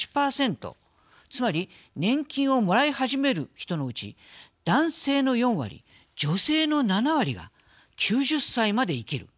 つまり、年金をもらい始める人のうち男性の４割、女性の７割が９０歳まで生きる。